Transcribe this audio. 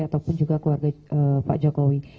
ataupun juga keluarga pak jokowi